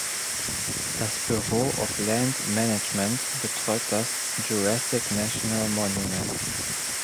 Das Bureau of Land Management betreut das "Jurassic National Monument".